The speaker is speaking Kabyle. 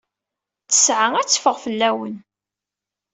Ttesɛa ad teffeɣ fell-awen.